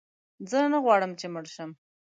زه نه غواړم چې مړ شم.